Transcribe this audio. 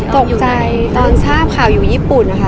ตกใจตอนทราบข่าวอยู่ญี่ปุ่นนะคะ